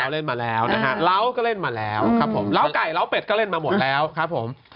เล่นมาแล้วนะฮะเล้าก็เล่นมาแล้วครับผมเล้าไก่เล้าเป็ดก็เล่นมาหมดแล้วครับผม